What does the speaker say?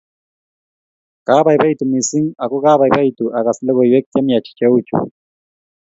Kabaibaitu missing ako kabaibaitu akas logoiwek che miach cheuchu